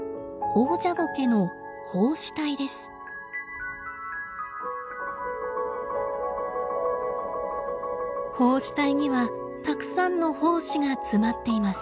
胞子体にはたくさんの胞子が詰まっています。